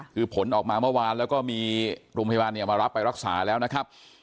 คือผลออกมาเมื่อวานแล้วก็มีโรงพยาบาลเนี่ยมารับไปรักษาแล้วนะครับ